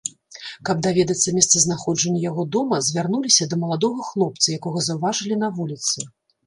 Каб даведацца месцазнаходжанне яго дома, звярнуліся да маладога хлопца, якога заўважылі на вуліцы.